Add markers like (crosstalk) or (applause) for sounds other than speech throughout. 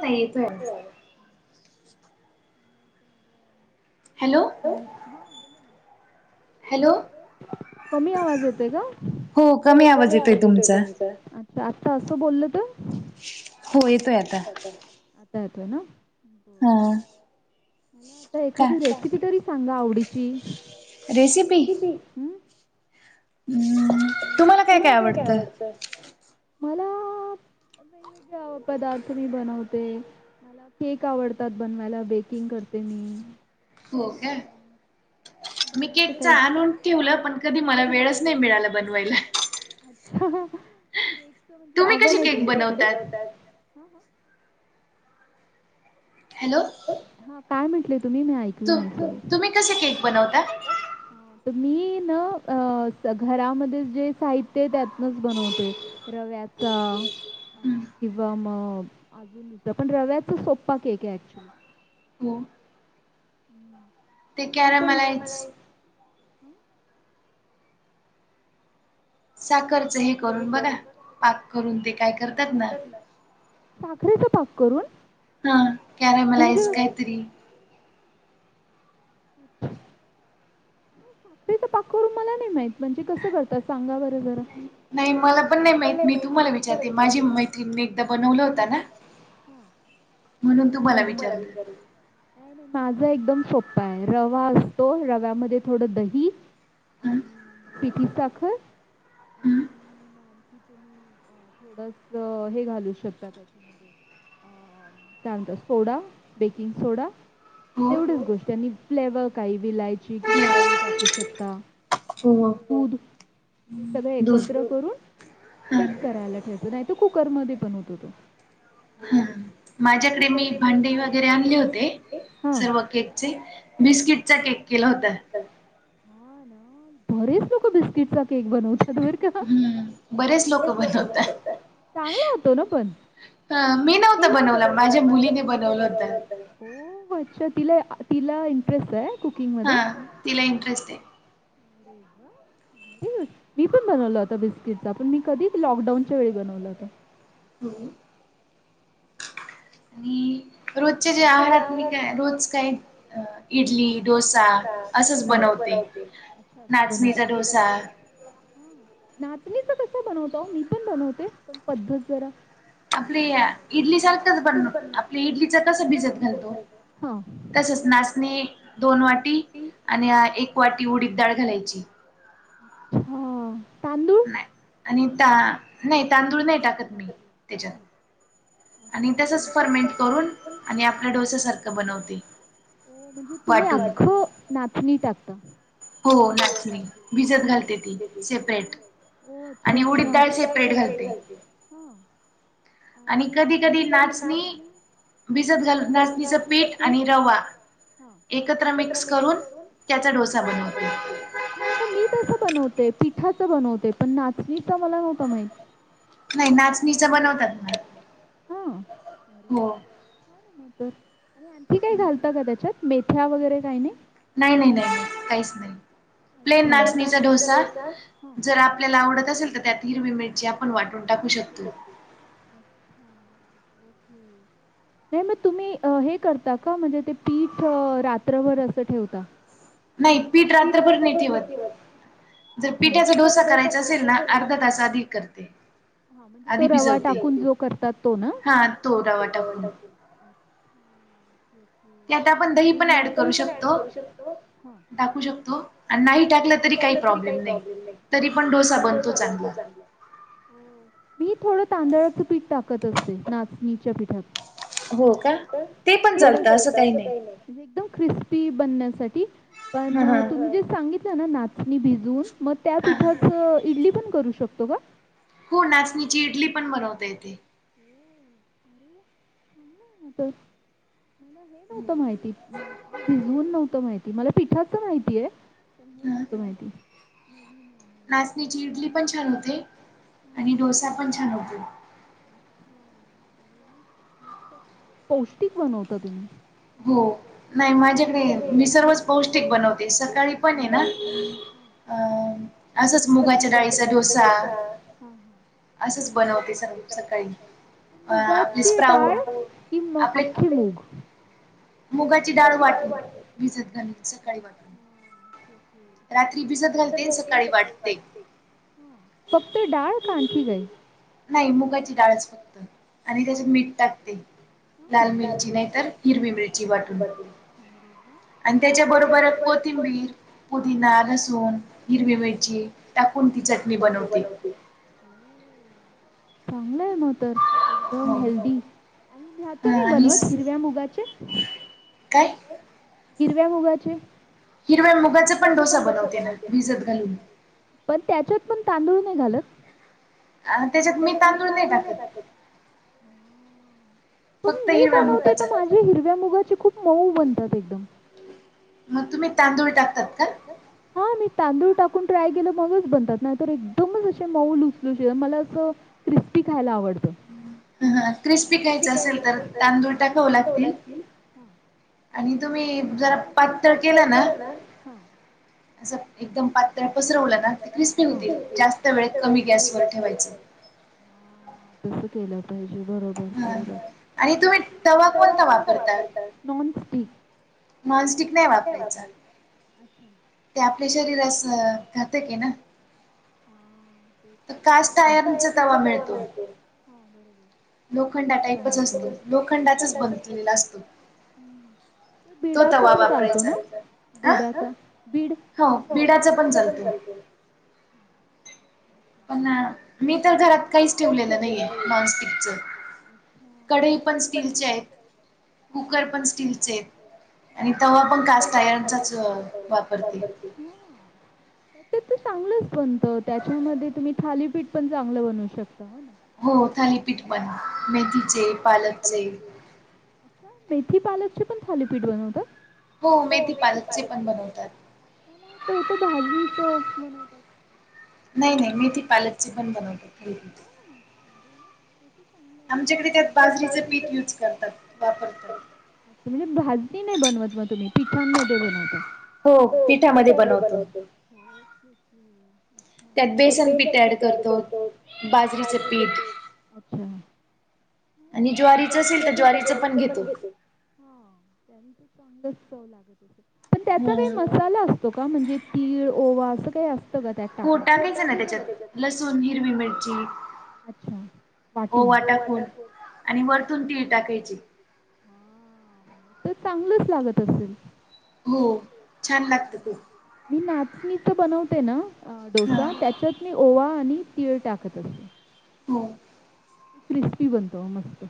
नाही येत नाय (unintelligible) हॅलो हॅल्लो हॅलो. कमी आवाज येतोय का? हो कमी आवाज येतोय तुमचा. आ आता असं बोल त. हो येतोय आता. आता येतोय ना? हा. मला आता एखादी रेसिपी तरी सांगा आवडीची. रेसिपी? अम्म तुम्हाला काय काय आवडतं? मला, वेगवेगळे पदार्थ मी बनवते. मला केक आवडतात बनवायला बेकिंग करते मी. हो काय? मी केक च आण आणून ठेवलं. पण कधी मला वेळच नाही मिळाला बनवायला. अच्छा, केकच म्हणजे आव्हने त्यांच्याकडे? ह, ह. हॅलो. हा काय म्हटलं तुम्ही? मी ऐकलं नाही. तुम्ही कसे केक बनवतात? अ मीय न घरामध्ये जे साहित्यय त्यातनच बनवते. रव्याचा. किंवा मग अजून दुसर. पण रव्याचा सोप्पा केके ऍक्च्युली. हम्म. ते कॅर मलाईच साखरचं हे करून बघा. पाक करून ते काय करतात ना? साखरेचा पाक करून. ह कॅरमलाईस कायतरी. अच्छा. साखरेचा पाक करून मला नाही माहीत. म्हणजे कसं करतात सांगा बरं जरा. नाही मला पण नाही माहित. मी तुम्हाला विचारतेय. माझी मैत्रिण एकदा बनवलं होता ना. म्हणून तुम्हाला विचारलं. नाही नाही माझा एकदम सोप्पय. रवा असतो. रव्यामध्ये थोडं दही. आणि पीटी साखर. आणि म कि तुम्ही थोडस हे घालू शकता त्याच्यामध्ये. काय म्हंणता? सोडा बेकिंग सोडा. तेवढच गोष्ट. आणि फ्लेवर काही विलायची किंवा केळी टाकू शकता. हो. दूध ते सगळे एकत्र करून. बेक करायला ठेवतो. नाही त कुकर मध्यें पण होतो तो. माझ्याकडे मी भांडे वगैरे आणले होते. सर्व केकचे. बिस्किटचा केक केला होता. हा ना? बरेच लोक बिस्किटचा केक बनवतात बर का. बरेच लोक बनवतात. चांगला होतो ना पण. ह मी नव्हता बनवला माझ्या मुलीने बनवलं होता. हो अच्छा, तिला तिला इंटरेस्टे कुकिंगमध्ये? तिला इंटरेस्टे. अरे वा. मी पण बनवला होता बिस्किटचा. पण मी कधी लॉकडाऊनच्या वेळी बनवला होता. हम्म मी रोजच्या जे आहारात मी काय रोज काय अ इडली डोसा असंच बनवते. नाचणीचा डोसा हा नाचणीचा कसा बनवता ओ मी पण बनवते पण पद्धत जरा आपली इडली सारखंच बन आपली इडलीच तसं भिजत घालतो, तसचं नाचणी दोन वाटी आणि एक वाटी उडीद डाळ घालायची. हा तांदूळ नाही आणि ता नाही तांदूळ नाही टाकत मी त्याच्यात. आणि तसचं फर्मेंट करून आणि आपल्या डोस्यासारखं बनवते. हो (inaudible) म्हणजे तुम्ही अख्खं नाचणी टाकता? हो नाचणी भिजत घालते ती, सेपरेट आणि उडीद डाळ सेपरेट घालते. हा आणि कधी कधी नाचणी भिजत घालून नाचणीचं पीठ आणि रवा एकत्र मिक्स करून त्याचा डोसा बनवते. हा म मी तसं बनवते, पिठाचं बनवते, पण नाचणीच मला नव्हत माहित नाही नाचणीचं बनवतात ना हा (inaudible) आणि आणखी काय घालता का त्याच्यात? मेथ्या वगैरे काय नाही. नाही नाही नाही काहीच नाही, प्लेन नाचणीचा डोसा जर आपल्याला आवडत असेल तर त्यात हिरवी मिरची आपण वाटून टाकू शकतो. अच्छा! ओके नाही मग तुम्ही हे करता का म्हणजे ते पीठ रात्रभर असं ठेवता? पीठ रात्रभर नाही ठेवत जर पिठाचा डोसा करायचा असेल ना अर्धा ता आधी करते, हा म्हणजे तो रवा टाकून जो करतात तो ना हा तो रवा टाकून ओके आणि म त्यात आपण दही पण ॲड करू शकतो, हा टाकू शकतो आणि नाही टाकलं तरी काही प्रॉब्लेम नाही तरी पण डोसा बनतो चांगला. हम्म मी थोडं तांदळाचं पीठ टाकत असते, नाचणीच्या पिठात हो का ते पण चालत असं काही नाही एकदम क्रिस्पी बनण्यासाठी पण तुम्ही जे सांगितलं ना नाचणी भिजवून म त्या पिठाचं इडली पण करू शकतो का? हो नाचणीची इडली पण बनवता येेते. हम्म होत, मला हे नव्हतं माहिती नाच भिजवून नव्हतं माहिती मला पिठाच माहितीय पण हे नव्हतं माहिती नाचणीची इडली पण छान होते आणि डोसा पण छान होतो. अच्छा अरे वा! मस्त पौष्टिक बनवता तुम्ही. हो नाही माझ्याकडे मी सर्वच पौष्टिक बनवते सकाळी पण हे ना असंच मुगाच्या डाळीचा डोसा असंच बनवते स सकाळी मुगाची डाळ कि म अख्खे मूग? मुगाची डाळ वाटून भिजत घालूयची अच्छा ओके ओके भिजत घालते, सकाळी वाटते फक्त डाळ काणखी काही नाही मुगाची डाळच फक्त आणि त्याच्यात मीठ टाकते लाल मिरची नाहीतर हिरवी मिरची वाटून आणि त्याच्या बरोबर कोथिंबीर पुदिना लसूण हिरवी मिरची टाकून ती चटणी बनवते हो चांगलं आहे मग तर एकदम हेल्दी आणि आता नाय बनवत हिरव्या मुगाचे काय हिरव्या मुगाचे हिरव्या मुगाचा पण डोसा बनवते भिजत घालून पण त्याच्यात पण तांदूळ नाही घालत अ त्याच्यात मी तांदूळ नाही टाकत पण मी बनवते तर माझ्या हिरव्या मुगाचे खूप मऊ बनतात एकदम मग तुम्ही तांदूळ टाकतात का? हा मी तांदूळ टाकून ट्राय केल मगच बनतात नाहीतर एकदमच असे मऊ लुसलुशीत आणि मला असं क्रिस्पी खायला आवडतो क्रिस्पी खायच असेल तर तांदूळ टाकावे लागतील आणि तुम्ही जरा पातळ केलं ना असं एकदम पातळ पसरवलं ना ते क्रिस्पी होतील जास्त वेळ कमी गॅस वर ठेवायच तस केलं पाहिजे बरोबर हा आणि तुम्ही तवा कोणता वापरतात नॉनस्टिक नॉनस्टिक नाही वापरायच ते आपल्या शरीरास घातक आहे ना हा तवा मिळते लोखंड टाईपच असतो लोखंडाचाच बनलेला असतो बिडाचा पण चालतो ना बिडाचा बीड हो बिडाच पण चालतो पण मी तर घरात काहीच ठेवलेलं नाहीये नॉनस्टिकच एक बंती कुकर पण स्टीलचे आणि तवा पण कास्ट आयर्न चाच वापरते ते तर चांगलंच बनतं त्याच्यामध्ये तुम्ही थालीपीठ पण चांगलं बनवू शकता हो थालीपीठ पण मेथीचे पालकचे मेथी पालकचे पण थालीपीठ बनवतात हो मेथी पालक चे तो तर भाजणीच बनवतात नाही नाही मेथी पालकचे पण बनवतात चांगलं आमच्याकडे त्यात बाजरीचं पीठ यूज करतात वापरतात म्हणजे भाजणी नाही बनवत मग तुम्ही पिठांमध्ये बनवता हो पिठामध्ये बनवतो... ओके ओके त्यात बेसन पीठ ऍड करतो बाजरीचे पीठ आणि ज्वारीचं असेल तर ज्वारीच पण घेतो. (unintelligible) पण त्याचा काही मसाला अस तो का म्हणजे तीळ, ओवा असं काही अस हो टाकायचा ना त्याच्यात लस सून, हिरवी मिरची, ओवा टाकून आणि वरतून तीळ टाकायची. तर चांगलंच लागत असेल. हो. मी नाचणीचा बनवते ना अ डोसा त्याच्यात मी ओवा आणि तीळ टाकत असते. मो क्रिस्पी बनतो मस्त.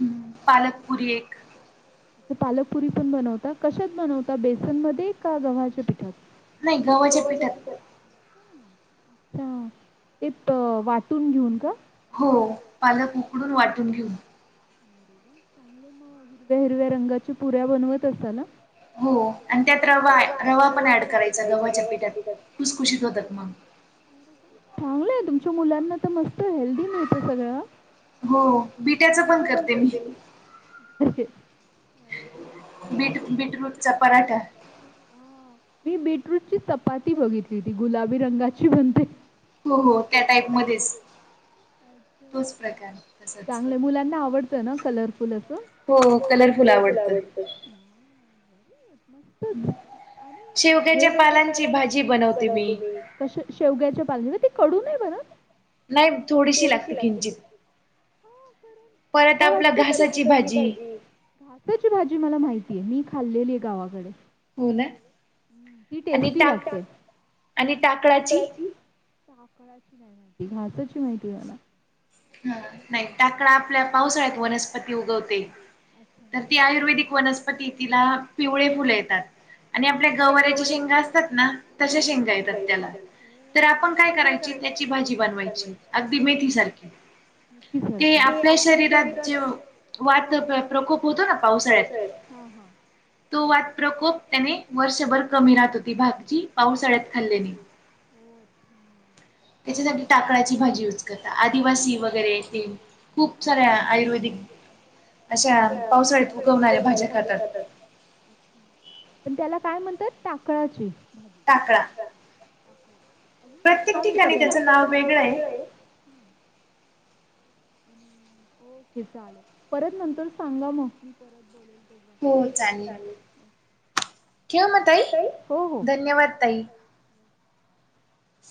हम्म पालकपुरी एक पालकपुरी पण बनवता कशात बनवता बेसन मध्ये का गव्हाच्या पिठात? नाही गव्हाच्या पीठात. त्या ते वाटून घेऊन का? हो पालक उकडून वाटून घेऊन. अरे वाह चांगले म हिरव्या-हिरव्या रंगाची पुऱ्या बनवत असतं ना. हो आणि त्यात रवाय रवा पण ऍड करायचा गव्हाच्या पिठात खुसखुशीत होतात मग. चांगलंय तुमच्या मुलांना तर मस्त हेल्दी मिळतं सगळं. हो बिट्याचं पण करते मी. (unintelligible) बीट बीटरूटचा पराठा. मी बीटरूट ची चपाती बघितली होती गुलाबी रंगाची बनते. हो हो त्या टाईपमध्येच. चांगलंय मुलांना आवडतं ना कलरफुल असं? हो कलरफुल आवडतं. (unintelligible) आणि अ हे शेवग्याच्या पालांची भाजी बनवते मी. कशे शेवग्याच्या पालणी बाई ती कडू नाही बनत? नाही थोडीशी लागते किंचित. (unintelligible) मला वाटतं आपला घसाची भाजी. आत्ताची भाजी मला माहितीय मी खाल्लेली आहे गावाकडे. ती टेस्टी लागते आणि टाक टाकड्याची? टाकडीचा नाही माहिती घासाची माहितीय मला. हा नाही टाकडा आपल्या पावसाळ्यात वनस्पती उगवते तर ती आयुर्वेदिक वनस्पती तिला पिवळे फुलं येतात. आणि आपल्या गवऱ्याची शेंगा असतात ना तशा शेंगा येतात त्याला. तर आपण काय करायची त्याची भाजी बनवायची अगदी मेथी सारखी. (unintelligible) के आप पल्या शरीरात जेव (inaudible) पावसाळ्यात हा हा. (inaudible) (inaudible) त्याच्यासाठी टाकळाची भाजी यूज करता आदिवासी वगैरे येतीन. खूप साऱ्या आयुर्वेदिक अशा पावसाळ्यात उगवणाऱ्या भाज्या खातात. पण त्याला काय म्हणतात? टाकळाची. प्रत्येक ठिकाणी त्याच नाव वेगळं आहे. आणि ओके चाले, परत नंतर सांगा मग? चालेल (inaudible) (inaudible) ताई हो हो.